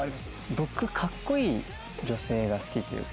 僕格好いい女性が好きというか。